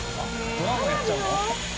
ドラゴンやっちゃうの？